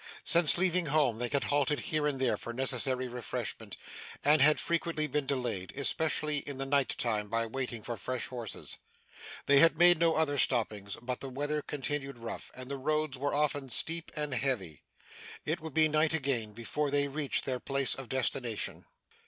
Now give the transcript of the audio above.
Since leaving home, they had halted here and there for necessary refreshment, and had frequently been delayed, especially in the night time, by waiting for fresh horses. They had made no other stoppages, but the weather continued rough, and the roads were often steep and heavy. It would be night again before they reached their place of destination.